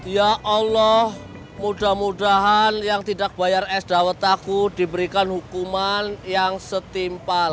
ya allah mudah mudahan yang tidak bayar es dawet takut diberikan hukuman yang setimpal